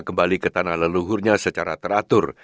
kembali ke tanah leluhurnya secara teratur